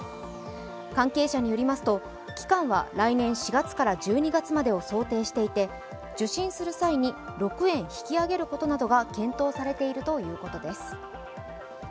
関係者によりますと期間は来年４月から１２月までを想定していて、受診する際に６円引き上げることなどが検討されているということです。